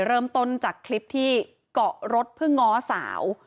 เริ่มต้นจากคลิปที่เกาะรถเพื่อง้อสาว